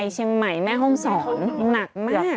เชียงใหม่แม่ห้องศรหนักมาก